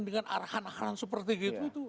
dengan arahan arahan seperti itu